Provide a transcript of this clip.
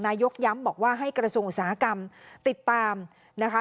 ย้ำบอกว่าให้กระทรวงอุตสาหกรรมติดตามนะคะ